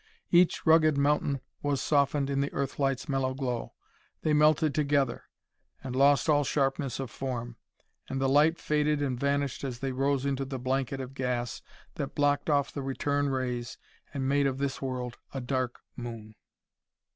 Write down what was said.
Each rugged mountain was softened in the Earthlight's mellow glow; they melted together, and lost all sharpness of form. And the light faded and vanished as they rose into the blanket of gas that blocked off the return rays and made of this world a dark moon.